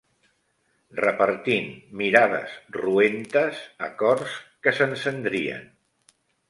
Repartint mirades roentes a cors que s'encendrien